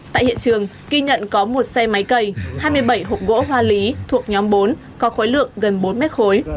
tại hiện trường ghi nhận có một xe máy cầy hai mươi bảy hộp gỗ hoa lý thuộc nhóm bốn có khối lượng gần bốn mét khối